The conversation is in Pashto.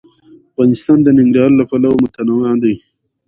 افغانستان د ننګرهار له پلوه متنوع دی.